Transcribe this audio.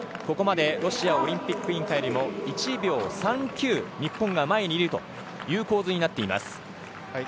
ここまでロシアオリンピック委員会よりも１秒３９、日本が前にいるという構図になっています。